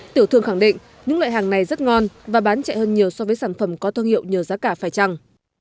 tiểu thương khẳng định những loại hàng này rất ngon và bán chạy hơn nhiều so với sản phẩm có thương hiệu nhờ giá cả phải trăng